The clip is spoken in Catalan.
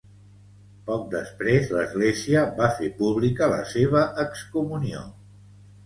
Poc després l'Església va fer pública la seva excomunió.